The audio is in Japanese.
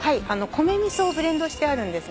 米味噌をブレンドしてあるんです。